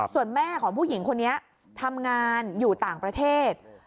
ส่วนแม่ของผู้หญิงคนนี้ทำงานอยู่ต่างประเทศ